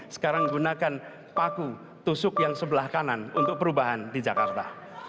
sekarang gunakan paku tusuk yang sebelah kanan untuk perubahan di jakarta